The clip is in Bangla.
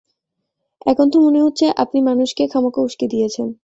এখন তো মনে হচ্ছে আপনি মানুষকে খামোকা উস্কে দিয়েছেন!